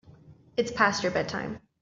It's past your bedtime.